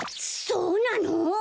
そうなの！？